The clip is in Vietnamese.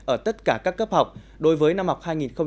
ở tất cả các cấp học đối với năm học hai nghìn hai mươi hai nghìn hai mươi